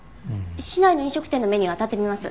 市内の飲食店のメニューあたってみます。